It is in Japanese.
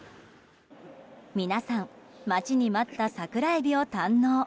皆さん待ちに待った桜エビを堪能。